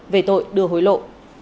về tội đưa hối lộ